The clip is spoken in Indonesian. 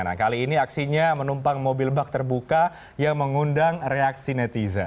nah kali ini aksinya menumpang mobil bak terbuka yang mengundang reaksi netizen